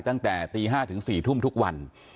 ตั้งแต่ตี๕ถึง๔ทุ่มทุกวัน